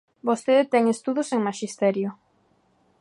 Vostede ten estudos en Maxisterio.